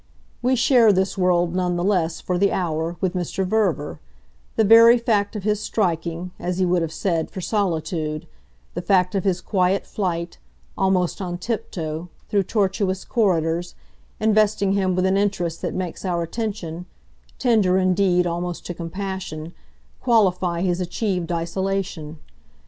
We share this world, none the less, for the hour, with Mr. Verver; the very fact of his striking, as he would have said, for solitude, the fact of his quiet flight, almost on tiptoe, through tortuous corridors, investing him with an interest that makes our attention tender indeed almost to compassion qualify his achieved isolation.